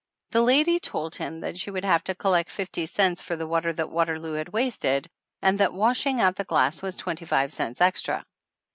The lady told him that she would have to collect fifty cents for the water that Waterloo had wasted, and that washing out the glass was twenty five cents extra.